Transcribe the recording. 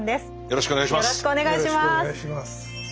よろしくお願いします。